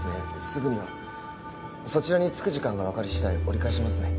すぐにはそちらに着く時間が分かりしだい折り返しますね